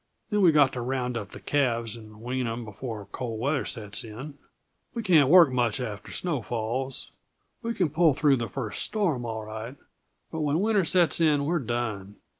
Then we've got to round up the calves and wean 'em, before cold weather sets in. We can't work much after snow falls. We can pull through the first storm, all right, but when winter sets in we're done.